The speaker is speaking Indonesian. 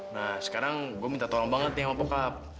nah sekarang gue minta tolong banget nih sama pop